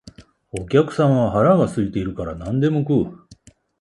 お客さんは腹が空いているから何でも食う